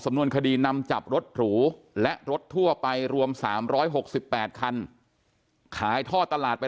นวนคดีนำจับรถหรูและรถทั่วไปรวม๓๖๘คันขายท่อตลาดไป